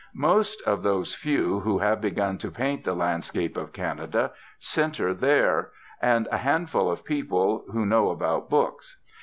Most of those few who have begun to paint the landscape of Canada centre there, and a handful of people who know about books.